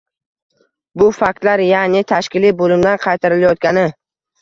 Bu faktlar, ya’ni tashkiliy bo‘limdan qaytarilayotgani